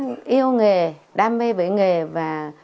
nhưng mà mình đã yêu nghề đam mê với nghề và